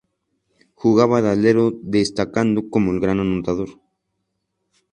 Jugaba de alero destacando como gran anotador.